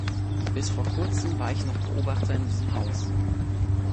Bis vor kurzem war ich noch Beobachter in diesem Haus.